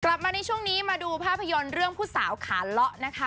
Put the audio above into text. กลับมาในช่วงนี้มาดูภาพยนตร์เรื่องผู้สาวขาเลาะนะคะ